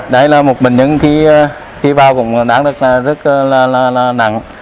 đây là một bệnh nhân khi vào cũng đáng rất là nặng